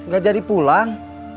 gak jadi pulang